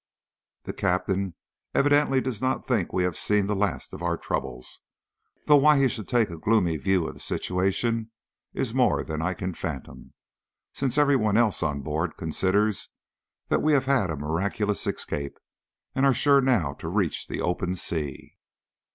The Captain evidently does not think we have seen the last of our troubles, though why he should take a gloomy view of the situation is more than I can fathom, since every one else on board considers that we have had a miraculous escape, and are sure now to reach the open sea.